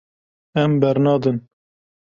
Em bernadin.